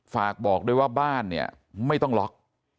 ฝากบอกด้วยว่าบ้านเนี่ยไม่ต้องล็อก